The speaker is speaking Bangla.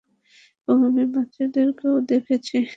এবং আমি বাচ্চাদেরও দেখেছি।